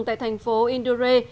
tại thành phố indore